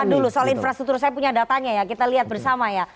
tahan dulu soal infrastruktur saya punya datanya ya kita lihat bersama ya